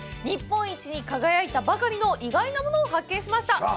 日本一に輝いたばかりの意外なものを発見しました。